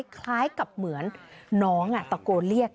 คล้ายกับเหมือนน้องตะโกนเรียก